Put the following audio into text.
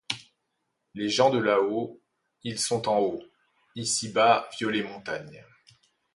Les gens de là-haut, ils sont en haut. Ici bas, violet montagne.